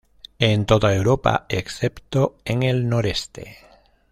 En toda Europa, excepto en el noreste.